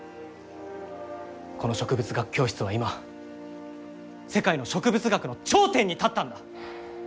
この植物学教室は今世界の植物学の頂点に立ったんだ！